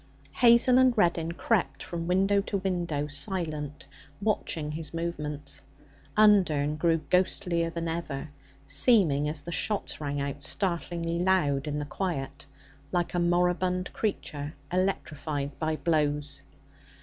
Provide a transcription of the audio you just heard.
Hazel and Reddin crept from window to window, silent, watching his movements. Undern grew ghostlier than ever, seeming, as the shots rang out startlingly loud in the quiet, like a moribund creature electrified by blows.